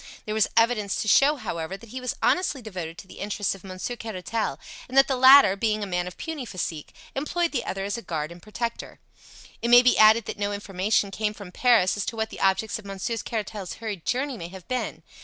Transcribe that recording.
There was evidence to show, however, that he was honestly devoted to the interests of Monsieur Caratal, and that the latter, being a man of puny physique, employed the other as a guard and protector. It may be added that no information came from Paris as to what the objects of Monsieur Caratal's hurried journey may have been.